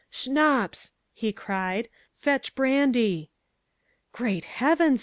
"Schnapps," he cried, "fetch brandy." "Great Heavens!